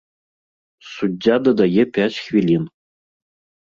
Суддзя дадае пяць хвілін.